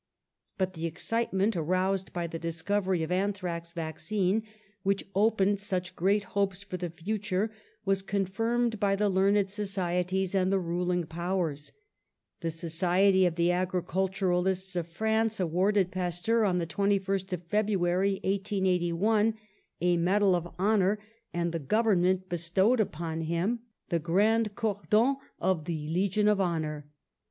But the excitement aroused by the discovery of anthrax vaccine, which opened such great hopes for the future, was confirmed by the learned societies and the ruling powers. The Society of the Agriculturists of France awarded Pasteur, on the 21st of February, 1881, a medal of honour, and the Government bestowed upon THE CURATIVE POISON 135 him the grand cordon of the Legion of Honour.